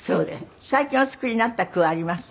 最近お作りになった句あります？